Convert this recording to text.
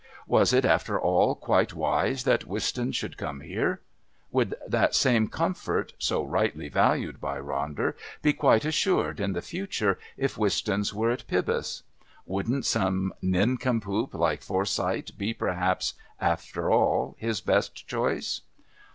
Was it, after all, quite wise that Wistons should come here? Would that same comfort, so rightly valued by Ronder, be quite assured in the future if Wistons were at Pybus? Wouldn't some nincompoop like Forsyth be perhaps, after all, his best choice?